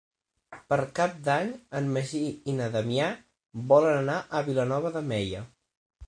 Per Cap d'Any en Magí i na Damià volen anar a Vilanova de Meià.